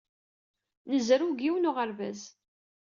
Nzerrew deg yiwen n uɣerbaz.